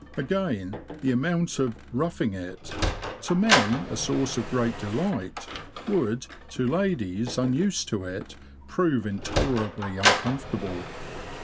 Again, the amount of "roughing it" — to men a source of great delight — would, to ladies unused to it, prove intoler ably uncomfortable.